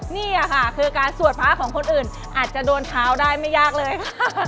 นี่ค่ะคือการสวดพระของคนอื่นอาจจะโดนเท้าได้ไม่ยากเลยค่ะ